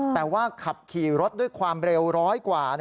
แต่ว่าขับขี่รถด้วยความเร็วร้อยกว่า